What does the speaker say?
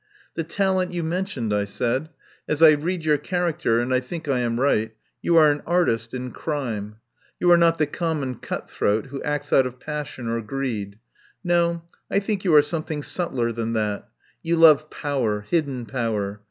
"The talent you mentioned," I said. "As I read your character — and I think I am right — you are an artist in crime. You are not the common cut throat who acts out of passion or greed. No, I think you are something subtler than that. You love power, hidden power.